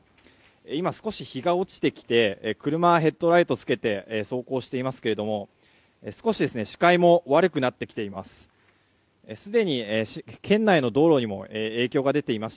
今、少し日が落ちてきて車はヘッドライトをつけて走行していますが少し視界も悪くなってきています。